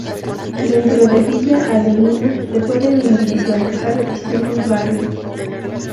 Dentro de Villa Adelina se pueden individualizar distintos barrios.